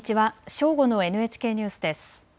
正午のＮＨＫニュースです。